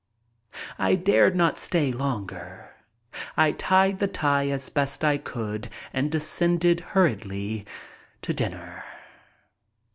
I dared not stay longer. I tied the tie as best I could and descended hurriedly to dinner.